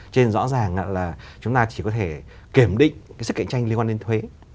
cho nên rõ ràng là chúng ta chỉ có thể kiểm định cái sức cạnh tranh liên quan đến thuế